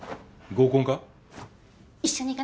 合コンか。